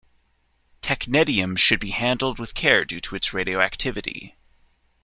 Technetium should be handled with care due to its radioactivity.